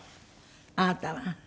あなたは？